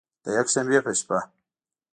د یکشنبې په شپه